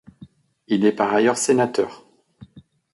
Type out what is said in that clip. Il est par ailleurs sénateur.